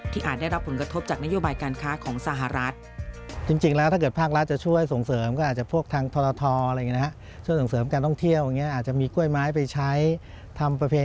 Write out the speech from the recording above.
อาจได้รับผลกระทบจากนโยบายการค้าของสหรัฐ